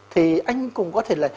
thì anh cũng có thể là